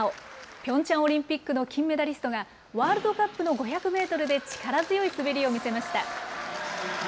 ピョンチャンオリンピックの金メダリストがワールドカップの５００メートルで力強い滑りを見せました。